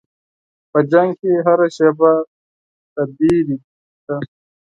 په جنګ کې هره شېبه د وېرې ده.